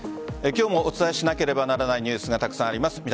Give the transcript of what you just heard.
今日もお伝えしなければならないニュースがたくさんあります。